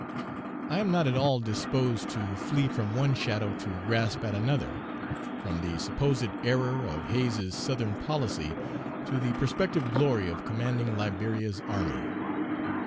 I am not at all disposed to flee from one shadow to grasp at another from the supposed error of Hayes's Southern policy to the prospective glory of commanding Liberia's army.